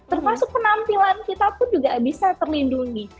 termasuk penampilan kita pun juga bisa terlindungi